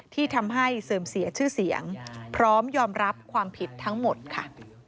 ที่ทำให้เสื่อมเสียชื่อเสียงพร้อมยอมรับความผิดทั้งหมดค่ะ